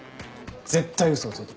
絶対嘘をついてます。